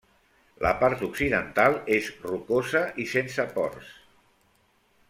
La part occidental és rocosa i sense ports.